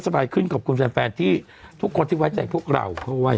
สบายขึ้นกับคุณแฟนแฟนที่ทุกคนที่ไว้ใจพวกเราเพราะไว้